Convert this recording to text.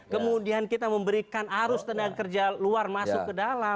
kemudian kita memberikan arus tenaga kerja luar masuk ke dalam